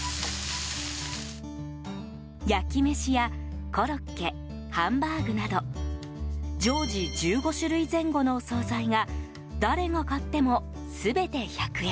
焼き飯やコロッケハンバーグなど常時１５種類前後のお総菜が誰が買っても全て１００円。